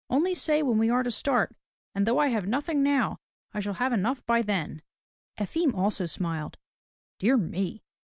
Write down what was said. Only say when we are to start, and though I have nothing now, I shall have enough by then." Efim also smiled. "Dear me